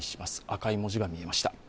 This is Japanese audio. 赤い文字が見えました。